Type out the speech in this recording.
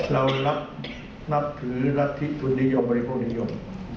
เรานับนับถือนับถิดดิยมไว้ผู้ใดยง